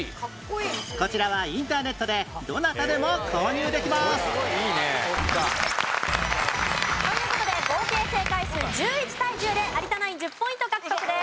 こちらはインターネットでどなたでも購入できますという事で合計正解数１１対１０で有田ナイン１０ポイント獲得です。